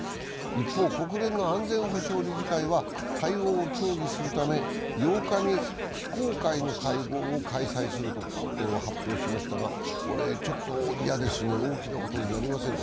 一方、国連の安全保障理事会は対応を協議するため、８日に非公開の会合を開催すると発表しましたが、これちょっと嫌ですね、大きなことになりませんか？